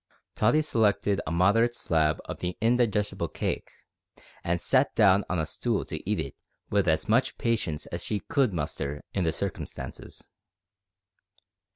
Tottie selected a moderate slab of the indigestible cake, and sat down on a stool to eat it with as much patience as she could muster in the circumstances.